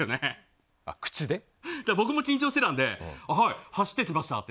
僕も緊張してたので走ってきましたって。